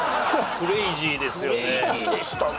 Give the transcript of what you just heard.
クレイジーでしたね